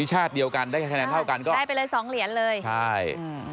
ชาติเดียวกันได้คะแนนเท่ากันก็ได้ไปเลยสองเหรียญเลยใช่อืม